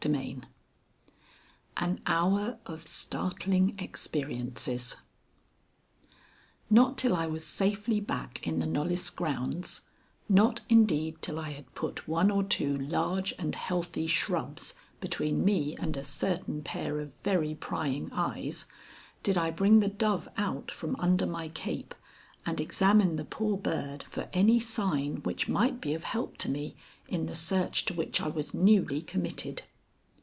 XXXVI AN HOUR OF STARTLING EXPERIENCES Not till I was safely back in the Knollys grounds, not, indeed, till I had put one or two large and healthy shrubs between me and a certain pair of very prying eyes, did I bring the dove out from under my cape and examine the poor bird for any sign which might be of help to me in the search to which I was newly committed.